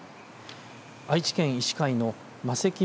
愛知県医師会の柵木